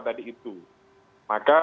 tadi itu maka